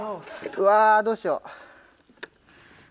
うわあどうしよう。